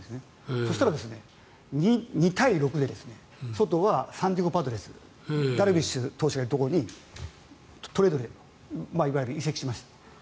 そしたら、２対６でソトはサンディエゴ・パドレスダルビッシュ投手のところにトレードでいわゆる移籍しました。